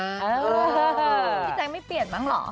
พี่แจ๊คไม่เปลี่ยนมั้งเหรอ